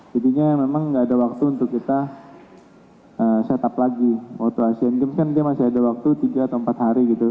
jadinya memang nggak ada waktu untuk kita set up lagi waktu asian games kan dia masih ada waktu tiga atau empat hari gitu